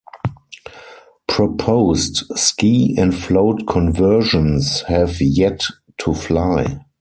Proposed ski and float conversions have yet to fly.